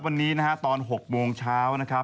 วันนี้ตอน๖โมงเช้า